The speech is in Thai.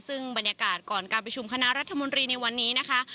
ซึ่งบรรยากาศก่อนการประชุมคณะรัฐมนตรีในวันนี้นะคะ